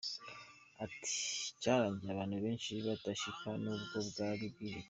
Ati “Cyarangiye abantu benshi batabashika nubwo bwari bwije cyane.